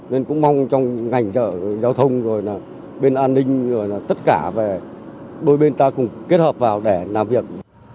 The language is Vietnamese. nên cũng mong trong ngành giao thông bên an ninh tất cả đôi bên ta cùng kết hợp vào để làm việc